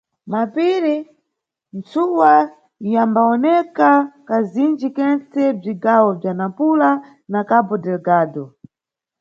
Mapiri-ntsuwa yambawoneka kazinji-kentse mʼbzigawo bza Nampula na Cabo Delgado.